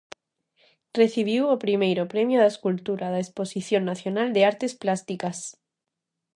Recibiu o primeiro premio de Escultura da Exposición Nacional de Artes Plásticas.